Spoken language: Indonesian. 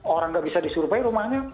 orang tidak bisa disurvei rumahnya